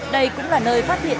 đây cũng là nơi phát hiện